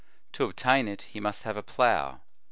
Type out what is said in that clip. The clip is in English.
To obtain it, he must have a plough.